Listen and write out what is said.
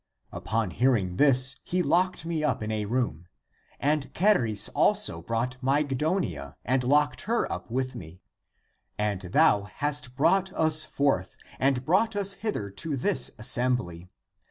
Upon hearing this, he locked me up in a room. And Charis also brought Myg donia and locked her up with me. And thou hast brought us forth and brought us hither to this assembly.